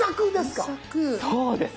そうです！